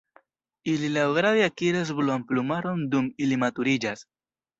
Ili laŭgrade akiras bluan plumaron dum ili maturiĝas.